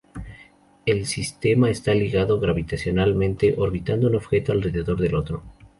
El sistema está ligado gravitacionalmente, orbitando un objeto alrededor del otro.